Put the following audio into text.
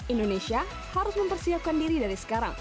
indonesia harus mempersiapkan diri dari sekarang